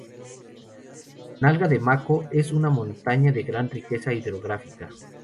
Nalga de Maco es una montaña de gran riqueza hidrográfica.